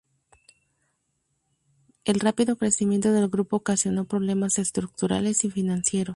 El rápido crecimiento del grupo ocasionó problemas estructurales y financieros.